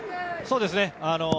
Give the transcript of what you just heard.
そうですね。